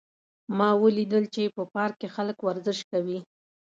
ما ولیدل چې په پارک کې خلک ورزش کوي